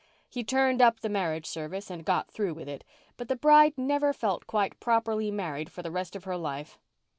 He turned up the marriage service and got through with it, but the bride never felt quite properly married for the rest of her life.